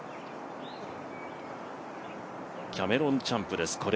キャメロン・チャンプです。